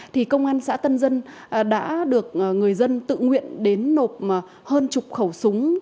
thì công an xã tân dân đã được người dân tự nguyện đến nộp hơn chục khẩu súng